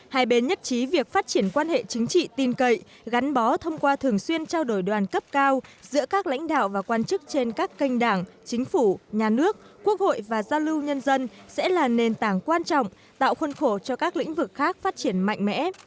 hai bên nhất trí việc phát triển quan hệ chính trị tin cậy gắn bó thông qua thường xuyên trao đổi đoàn cấp cao giữa các lãnh đạo và quan chức trên các kênh đảng chính phủ nhà nước quốc hội và giao lưu nhân dân sẽ là nền tảng quan trọng tạo khuôn khổ cho các lĩnh vực khác phát triển mạnh mẽ